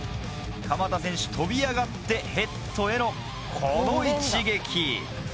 鎌田選手跳び上がってヘッドへのこの一撃。